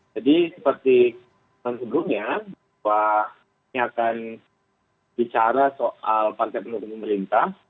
jadi seperti menurutnya bahwa ini akan bicara soal partai penuh pemerintah